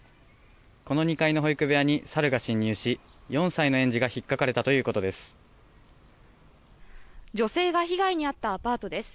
この２階の保育部屋にサルが侵入し４歳の園児が引っかかれたということです。